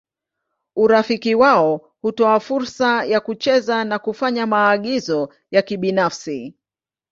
Urafiki wao hutoa fursa ya kucheza na kufanya maagizo ya kibinafsi.